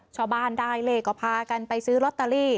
ชาวบ้านได้เลขก็พากันไปซื้อลอตเตอรี่